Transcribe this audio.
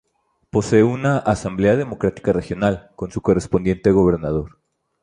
Posee una "Asamblea Democrática Regional" con su correspondiente gobernador.